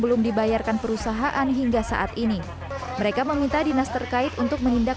belum dibayarkan perusahaan hingga saat ini mereka meminta dinas terkait untuk menindak